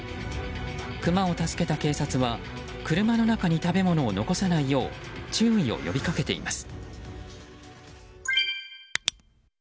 クマを助けた警察は車の中に食べ物を残さないよう注意を呼びかけています。